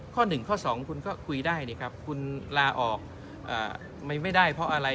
๑ข้อ๒คุณก็คุยได้นี่ครับคุณลาออกไม่ได้เพราะอะไร